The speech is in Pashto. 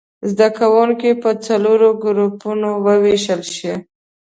زده کوونکي په څلورو ګروپونو ووېشل شي.